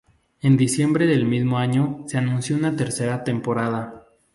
En diciembre del mismo año se anunció una tercera temporada.